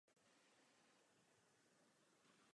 Samec se od samice liší hlavně větší velikostí.